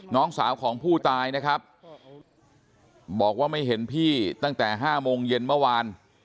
น้องสาวของผู้ตายนะครับบอกว่าไม่เห็นพี่ตั้งแต่๕โมงเย็นเมื่อวาน